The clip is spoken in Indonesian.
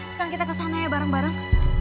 sekarang kita ke sana ya bareng bareng